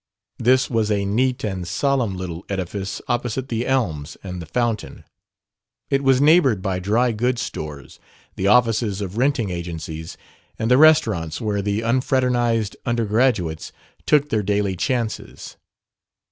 This was a neat and solemn little edifice opposite the elms and the fountain; it was neighbored by dry goods stores, the offices of renting agencies, and the restaurants where the unfraternized undergraduates took their daily chances.